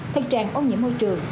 thực trạng ô nhiễm môi trường